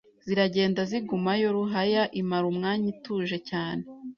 Ziragenda, zigumayo Ruhaya imara umwanya ituje cyane